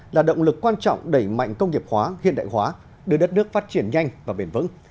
là động lực quan trọng đẩy mạnh công nghiệp hóa hiện đại hóa đưa đất nước phát triển nhanh và bền vững